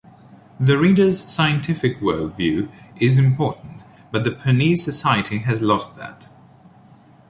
The reader's scientific world-view is important but the Pernese society has lost that.